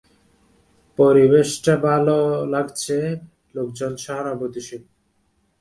পরিবেশটা ভালো লাগছে, লোকজন সহানুভূতিশীল।